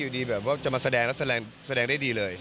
ดีแบบว่าจะมาแสดงแล้วแสดงได้ดีเลย